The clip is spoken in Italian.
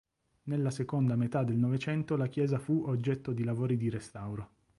Nella seconda metà del Novecento la chiesa fu oggetto di lavori di restauro.